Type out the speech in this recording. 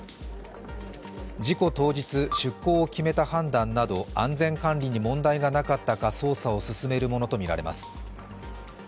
事故当日、出航を決めた判断など安全管理に問題がなかったか捜査を進めるものとみられます。